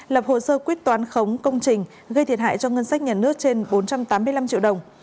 lập hồ sơ quyết toán khống công trình gây thiệt hại cho ngân sách nhà nước trên bốn trăm tám mươi năm triệu đồng